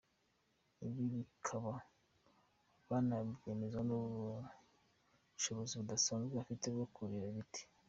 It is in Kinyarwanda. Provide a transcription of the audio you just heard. Ibi bakaba banabyemezwa n’ubushobozi budasanzwe afite bwo kurira ibiti.